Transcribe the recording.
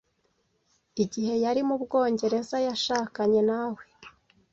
Igihe yari mu Bwongereza yashakanye nawe